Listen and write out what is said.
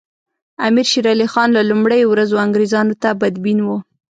امیر شېر علي خان له لومړیو ورځو انګریزانو ته بدبین وو.